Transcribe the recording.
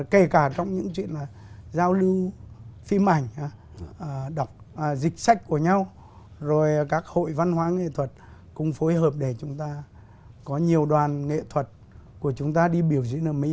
kể cả trong những chuyện giao lưu phim ảnh đọc dịch sách của nhau rồi các hội văn hóa nghệ thuật cùng phối hợp để chúng ta có nhiều đoàn nghệ thuật của chúng ta đi biểu diễn ở mỹ